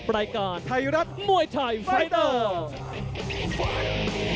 รายการไทยรัฐมวยไทยไฟเตอร์